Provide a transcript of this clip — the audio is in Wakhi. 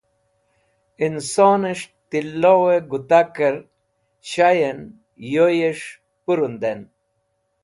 Insonẽs̃h tiloẽ gũtakẽr shayẽn yoyẽs̃h pũrũndẽn.